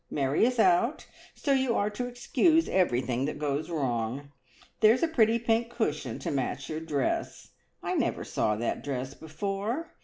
Mary is out, so you are to excuse everything that goes wrong. There's a pretty pink cushion to match your dress. I never saw that dress before!